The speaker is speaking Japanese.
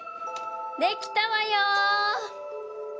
できたわよ！